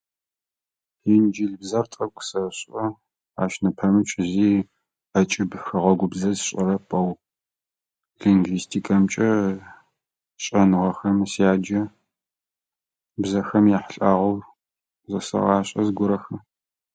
Инджылыбзэ тӏэкӏу сэшӏэ. Ащ нэпэмыкӏ зи ӏэкӏыб хэгъэгубзэ сшӏэрэп, ау лингвистикэмкӏэ шӏэныгъэхэм сяджэ. Бзэхэм яхьылӏагъэу зэсэгъашӏэ зыгорэхэ.